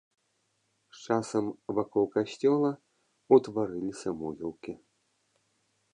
З часам вакол касцёла ўтварыліся могілкі.